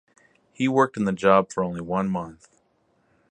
He worked in the job for only one month.